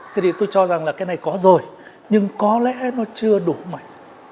thế thì tôi cho rằng là cái này có rồi nhưng có lẽ nó chưa đủ mạnh